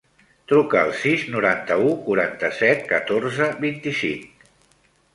Truca al sis, noranta-u, quaranta-set, catorze, vint-i-cinc.